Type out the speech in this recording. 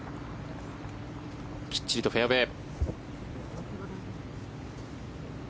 きっちりとフェアウェー。